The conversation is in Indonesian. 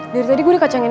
dari tadi gue dikacangin